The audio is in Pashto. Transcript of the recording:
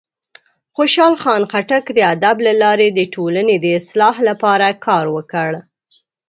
خوشحال خان خټک د ادب له لارې د ټولنې د اصلاح لپاره کار وکړ.